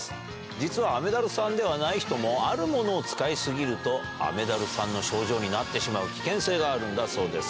実は雨ダルさんではない人も、あるものを使い過ぎると、雨ダルさんの症状になってしまう危険性があるんだそうです。